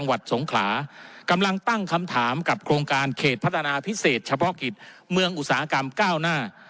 สงขลากำลังตั้งคำถามกับโครงการเขตพัฒนาพิเศษเฉพาะกิจเมืองอุตสาหกรรมก้าวหน้า